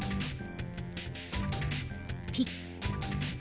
ピッ。